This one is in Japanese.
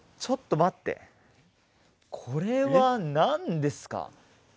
ちょっと待ってこれは何ですか？